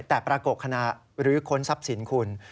แต่ปรากฏคณะรื้อค้นทรัพย์สินคุณ